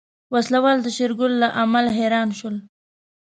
وسله وال د شېرګل له عمل حيران شول.